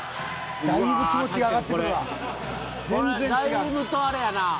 だいぶとあれやな。